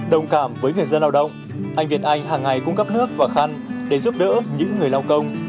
đồng cảm với người dân lao động anh việt anh hàng ngày cung cấp nước và khăn để giúp đỡ những người lao công